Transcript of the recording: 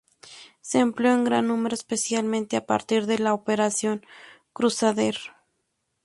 Se empleó en gran número, especialmente a partir de la Operación Crusader.